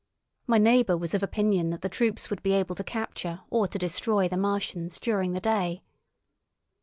My neighbour was of opinion that the troops would be able to capture or to destroy the Martians during the day.